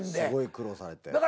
すごい苦労されて。